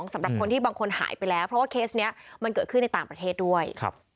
สำหรับคนที่บางคนหายไปแล้วเพราะว่าเคสนี้มันเกิดขึ้นในต่างประเทศด้วย